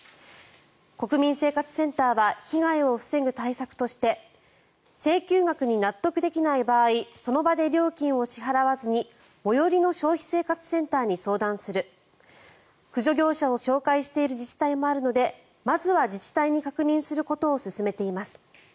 国民生活センターは被害を防ぐ対策として請求額に納得できない場合その場で料金を支払わずに最寄りの消費生活センターに相談する駆除業者を紹介している自治体もあるのでまずは自治体に確認することを勧めています。